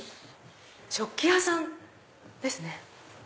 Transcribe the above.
食器屋さんですね。